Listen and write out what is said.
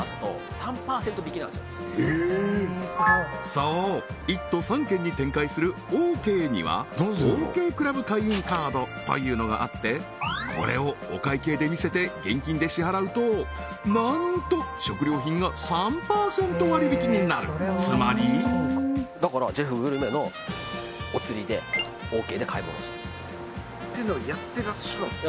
そう一都三県に展開するオーケーにはオーケークラブ会員カードというのがあってこれをお会計で見せて現金で支払うと何とつまりだからジェフグルメのお釣りでオーケーで買い物をするってのをやってらっしゃるんですか？